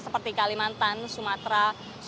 seperti kalimantan sumatera sulawesi bahkan begitu